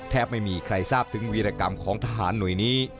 ไม่มีใครทราบถึงวีรกรรมของทหารหน่วยนี้